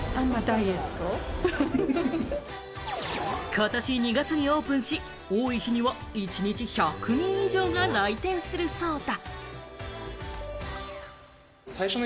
ことし２月にオープンし、多い日には一日１００人以上が来店するそうだ。